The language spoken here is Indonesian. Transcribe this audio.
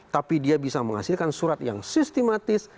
tapi dia bisa menghasilkan surat yang sistematis